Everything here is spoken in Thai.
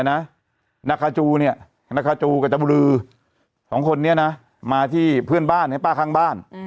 นาคาจูเนี่ยนาคาจูกับจบลือสองคนนี้นะมาที่เพื่อนบ้านให้ป้าข้างบ้าน